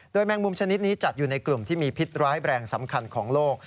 แมงมุมชนิดนี้จัดอยู่ในกลุ่มที่มีพิษร้ายแรงสำคัญของโลก